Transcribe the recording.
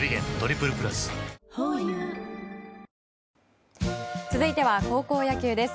ホーユー続いては高校野球です。